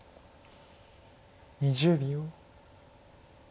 ２０秒。